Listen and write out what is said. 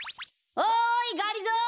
おいがりぞー！